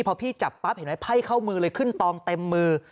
พอพี่จับปั๊บเห็นไหมไพ่เข้ามือเลยขึ้นตองเต็มมือ